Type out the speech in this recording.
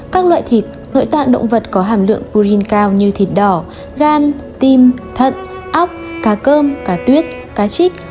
các loại thịt nội tạng động vật có hàm lượng proin cao như thịt đỏ gan tim thận ốc cá cơm cá tuyết cá trích